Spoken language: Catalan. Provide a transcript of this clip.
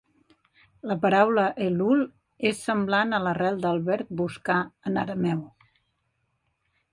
La paraula "Elul" és semblant a l'arrel del verb "buscar" en arameu.